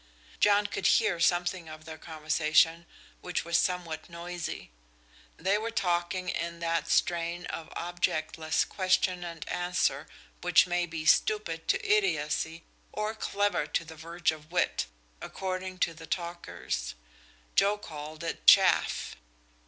John could hear something of their conversation, which was somewhat noisy. They were talking in that strain of objectless question and answer which may be stupid to idiocy or clever to the verge of wit, according to the talkers. Joe called it "chaff."